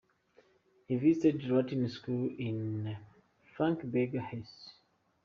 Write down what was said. He visited a Latin school in Frankenberg, Hesse.